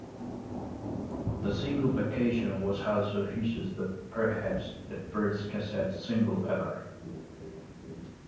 The single "Vacation" was also issued as perhaps the first cassette single ever.